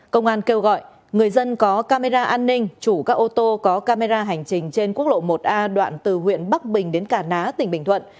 công an kêu gọi người dân có camera an ninh chủ các ô tô có camera hành trình trên quốc lộ một a đoạn từ huyện bắc bình đến cả ná tỉnh bình thuận